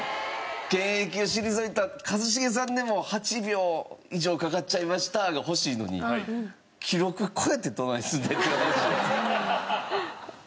「現役を退いた一茂さんでも８秒以上かかっちゃいました」が欲しいのに記録超えてどないすんねん！っていう話じゃないですか？